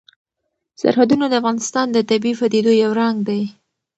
سرحدونه د افغانستان د طبیعي پدیدو یو رنګ دی.